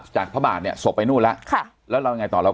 พระบาทเนี่ยศพไปนู่นแล้วค่ะแล้วเรายังไงต่อแล้ว